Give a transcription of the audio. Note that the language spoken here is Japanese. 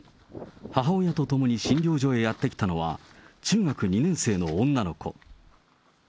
母親と共に診療所へやって来たのは、中学２年生の女の子。